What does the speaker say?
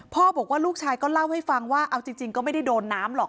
บอกว่าลูกชายก็เล่าให้ฟังว่าเอาจริงก็ไม่ได้โดนน้ำหรอก